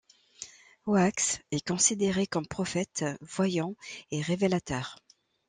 Oaks est considéré comme prophète, voyant et révélateur.